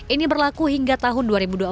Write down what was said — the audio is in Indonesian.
ini berlaku hingga tahun dua ribu dua puluh